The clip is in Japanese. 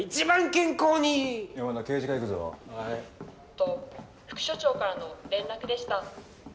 と副署長からの連絡でした。